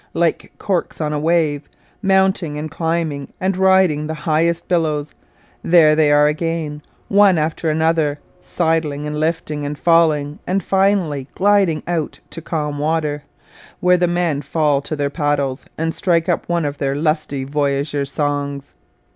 like corks on a wave, mounting and climbing and riding the highest billows, there they are again, one after another, sidling and lifting and falling and finally gliding out to calm water, where the men fall to their paddles and strike up one of their lusty voyageur songs!